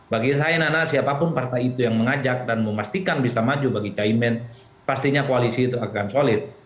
bagi saya nana siapapun partai itu yang mengajak dan memastikan bisa maju bagi caimin pastinya koalisi itu akan solid